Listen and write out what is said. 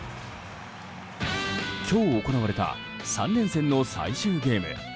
今日行われた３連戦の最終ゲーム。